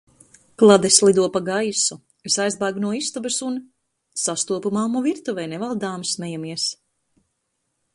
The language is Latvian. Klades lido pa gaisu, es aizbēgu no istabas un... sastopu mammu virtuvē nevaldāmi smejamies.